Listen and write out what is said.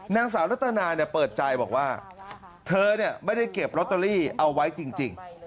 นางสาวรัตนาเปิดใจบอกว่าเธอไม่ได้เก็บลอตเตอรี่เอาไว้จริง